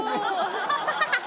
ハハハハ！